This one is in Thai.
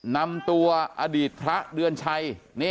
นำตัวอดีตพระเดือนชัย